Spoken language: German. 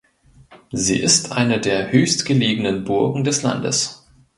Sie ist eine der höchstgelegenen Burgen des Landes.